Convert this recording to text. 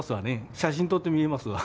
写真撮ってみえますわ。